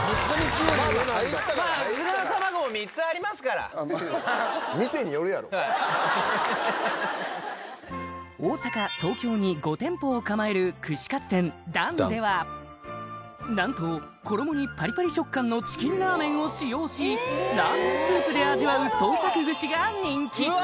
まあうずらの卵も３つありますから店によるやろ大阪東京に５店舗を構える串カツ店だんではなんと衣にパリパリ食感のチキンラーメンを使用しラーメンスープで味わう創作串が人気うわ